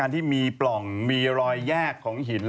ที่มีปล่องมีรอยแยกของหิน